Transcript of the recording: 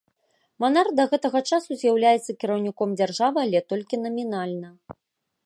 Манарх да гэтага часу з'яўляецца кіраўніком дзяржавы, але толькі намінальна.